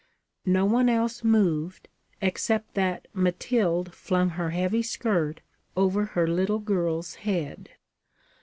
No one else moved, except that Mathilde flung her heavy skirt over her little girl's head.